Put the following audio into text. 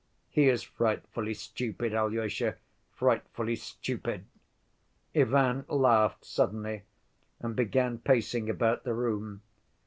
He is frightfully stupid, Alyosha, frightfully stupid." Ivan laughed suddenly and began pacing about the room.